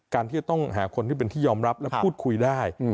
ที่จะต้องหาคนที่เป็นที่ยอมรับและพูดคุยได้